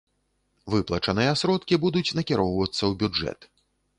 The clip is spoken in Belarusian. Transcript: Выплачаныя сродкі будуць накіроўвацца ў бюджэт.